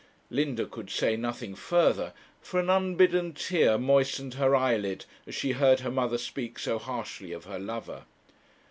Linda could say nothing further, for an unbidden tear moistened her eyelid as she heard her mother speak so harshly of her lover.